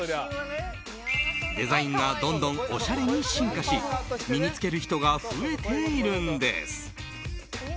デザインがどんどんおしゃれに進化し身に着ける人が増えているんです。